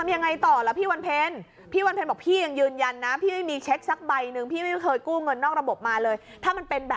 อย่างนี้เขาต้องบอกให้เอกสารตัวให้เขียนคอมใช่มะค่ะ